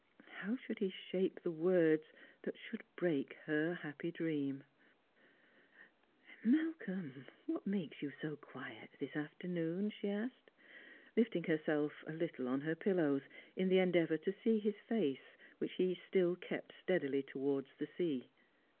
How should he shajoe the words thac should break her happy dream ?*' Malcolm, what makes you so quiet this afternoon?" she asked, lifting herself a little on her juUows, in the endeavour to see his face, which he still kept steadily towards the sea.